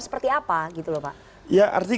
seperti apa gitu loh pak ya artinya